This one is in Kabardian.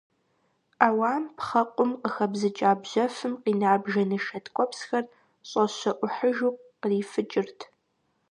Ӏэуам пхъэкъум къыхэбзыкӀа бжьэфым къина бжэнышэ ткӀуэпсхэр, щӀэщэӀухьыжу, кърифыкӀырт.